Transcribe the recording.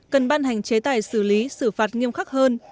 cần ban hành chế tài xử lý xử phạt nghiêm khắc hơn